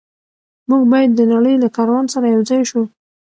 موږ باید د نړۍ له کاروان سره یوځای شو.